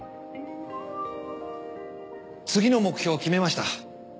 次の目標決めました。